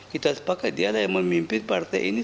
kita sepakat dia adalah yang memimpin partai ini